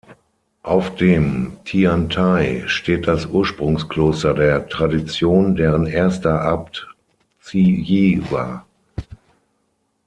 Auf dem Tiantai steht das Ursprungs-Kloster der Tradition, deren erster Abt Zhi-yi war.